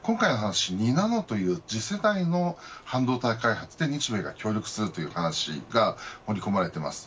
２ナノという次世代の半導体開発で日米が協力するという形が盛り込まれています。